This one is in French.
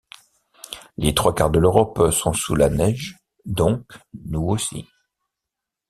Les trois quarts de l'Europe sont sous la neige donc nous aussi.